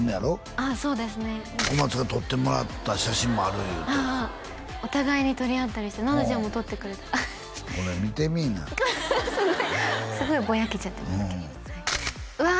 ああそうですね小松が撮ってもらった写真もある言うてお互いに撮り合ったりして菜奈ちゃんも撮ってくれてほれ見てみいなこれすごいすごいぼやけちゃってますけどうわ